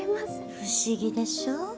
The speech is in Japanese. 不思議でしょう？